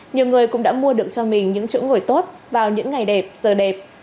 nhiều người cũng đã mua được cho mình những chỗ ngồi tốt vào những ngày đẹp giờ đẹp